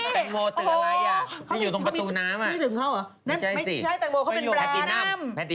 ตังโมตึกอะไรอ่ะที่อยู่ตรงประตูน้ำอ่ะไม่ใช่สิไม่ใช่ตังโมเขาเป็นแบรนด์